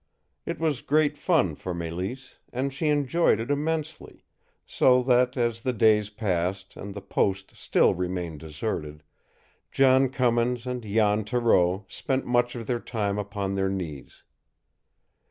It was great fun for Mélisse, and she enjoyed it immensely; so that as the days passed, and the post still remained deserted, John Cummins and Jan Thoreau spent much of their time upon their knees.